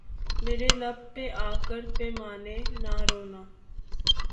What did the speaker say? میرے لب پہ آ کر پیمانے نہ رونا